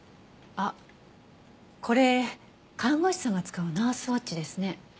あっこれ看護師さんが使うナースウォッチですね。